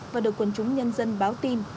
và được quần chúng nhân dân báo tin